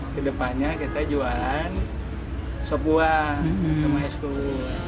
kedepannya kita jualan sop buah sama es kuru